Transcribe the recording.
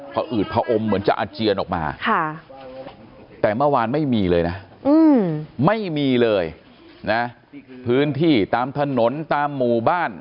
พื้นที่ตามถนนตามหมู่บ้าน